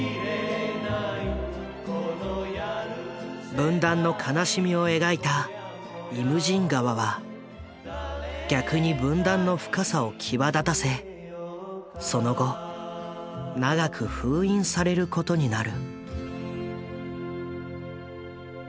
分断の悲しみを描いた「イムジン河」は逆に分断の深さを際立たせその後長く封印されることになる。